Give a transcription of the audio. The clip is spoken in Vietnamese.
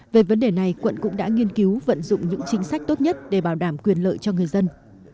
về vấn đề này quận cũng đã nghiên cứu vận dụng những chính sách tốt nhất để bảo đảm quyền lợi cho người dân